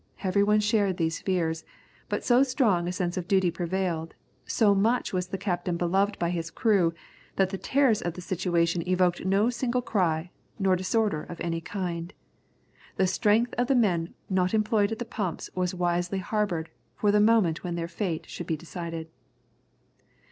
Every one shared these fears, but so strong a sense of duty prevailed, so much was the captain beloved by his crew, that the terrors of the situation evoked no single cry, no disorder of any kind. The strength of the men not employed at the pumps was wisely harboured for the moment when their fate should be decided.